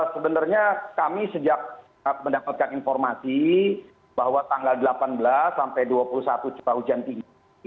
sebenarnya kami sejak mendapatkan informasi bahwa tanggal delapan belas sampai dua puluh satu curah hujan tinggi